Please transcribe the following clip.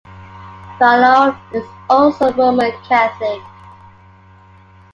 Vallone is also a Roman Catholic.